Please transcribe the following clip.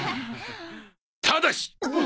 ただし！